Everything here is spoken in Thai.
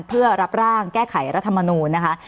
เพื่อรับร่างแก้ไขรัฐมนูลนะคะ